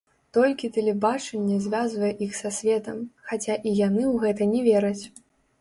Толькі тэлебачанне звязвае іх са светам, хаця і яны ў гэта не вераць.